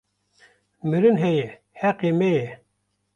Mirin heye heqê me ye